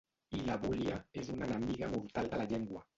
I l'abúlia és una enemiga mortal de la llengua.